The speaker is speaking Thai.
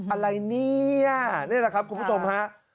อะไรเนี่ยนี่แหละครับคุณผู้ชมฮะ